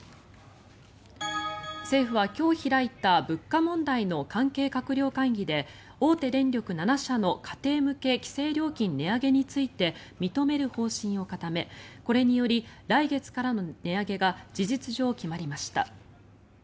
政府は今日開いた物価問題の関係閣僚会議で大手電力７社の家庭向け規制料金値上げについて認める方針を固めこれにより来月からの値上げが事実上、決まりました。